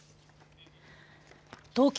東京